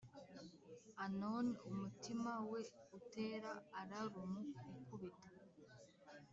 anon umutima we utera, alarum ikubita,